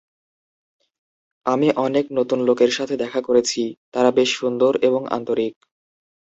আমি অনেক নতুন লোকের সাথে দেখা করেছি, তারা বেশ সুন্দর এবং আন্তরিক।